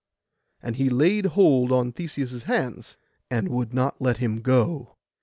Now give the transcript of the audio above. And he laid hold on Theseus' hands, and would not let him go.